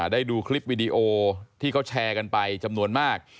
ได้ดูคลิปวิดีโอที่เขาแชร์กันไปจำนวนมาก